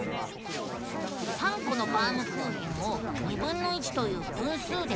３コのバウムクーヘンをという分数で分けると。